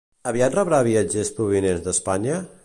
Aviat rebrà viatgers provinents d'Espanya?